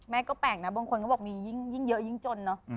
ก็แปลกนะบางคนก็บอกมียิ่งเยอะยิ่งจนเนอะ